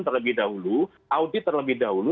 terlebih dahulu audit terlebih dahulu